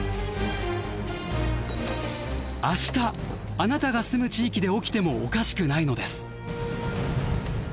明日あなたが住む地域で起きてもおかしくないのです。